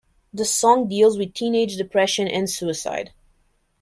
The song deals with teenage depression and suicide.